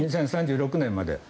２０３６年まで。